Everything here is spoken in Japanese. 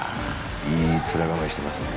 いい面構えしてますね。